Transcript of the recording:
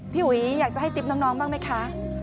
พี่หุยอยากจะให้ติ๊บน้องบ้างมั้ยคะ